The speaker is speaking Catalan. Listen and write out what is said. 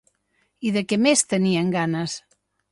I de què més tenien ganes?